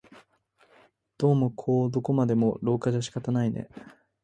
どうもこうどこまでも廊下じゃ仕方ないね